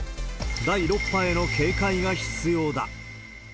第６波への警戒が必要だ。